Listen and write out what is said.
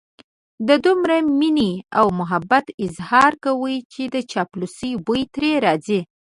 د دومره مينې او محبت اظهار کوي چې د چاپلوسۍ بوی ترې راځي.